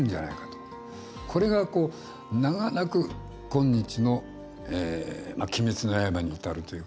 これが長らく今日の「鬼滅の刃」に至るというか。